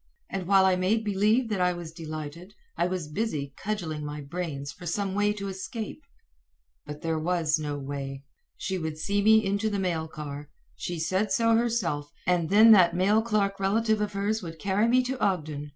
And while I made believe that I was delighted, I was busy cudgelling my brains for some way to escape. But there was no way. She would see me into the mail car she said so herself and then that mail clerk relative of hers would carry me to Ogden.